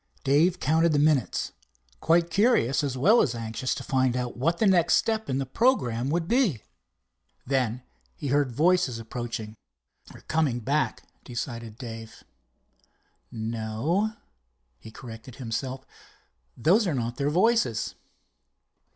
Dave counted the minutes, quite curious as well as anxious to find out what the next step in the programme would be. Then he heard voices approaching. "They're coming back," decided Dave, "no," he corrected himself, "those are not their voices."